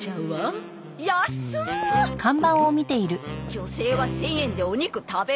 女性は１０００円でお肉食べ放題？